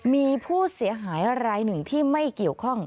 มีผู้เสียหายรายหนึ่งที่ไม่เกี่ยวข้อง